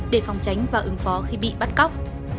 để phòng tránh và ứng phó khi bị bắt cóc